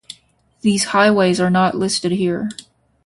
These highways are not listed here.